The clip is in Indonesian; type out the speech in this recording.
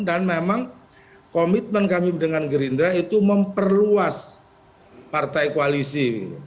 dan memang komitmen kami dengan gerindra itu memperluas partai koalisi